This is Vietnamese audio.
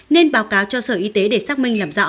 nên báo cáo cho sở y tế để xác minh làm rõ